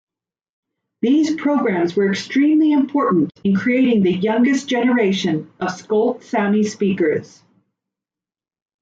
These programs were extremely important in creating the youngest generation of Skolt Sami speakers.